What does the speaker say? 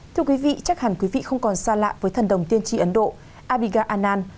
thưa quý vị chắc hẳn quý vị không còn xa lạ với thần đồng tiên tri ấn độ abiga an